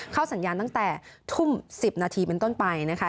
สัญญาณตั้งแต่ทุ่ม๑๐นาทีเป็นต้นไปนะคะ